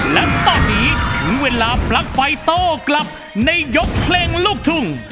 และตอนนี้ถึงเวลาปลั๊กไฟโต้กลับในยกเพลงลูกทุ่ง